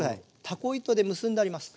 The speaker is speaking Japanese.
たこ糸で結んであります。